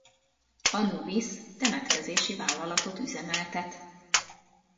Anubisz temetkezési vállalatot üzemeltet.